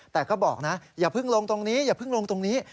แต่ก็บอกนะอย่าพึ่งลงตรงนี้